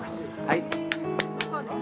はい。